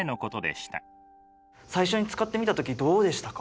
最初に使ってみた時どうでしたか？